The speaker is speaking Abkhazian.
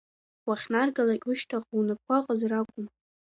Уахьнаргалак ушьҭахьҟа унапқәа ыҟазар акәын.